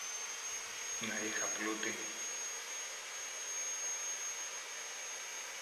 Να είχα πλούτη!